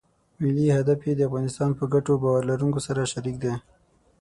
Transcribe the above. ملي هدف یې د افغانستان په ګټو باور لرونکو سره شریک دی.